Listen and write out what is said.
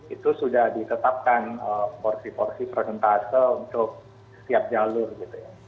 itu sudah ditetapkan porsi porsi prosentase untuk setiap jalur gitu ya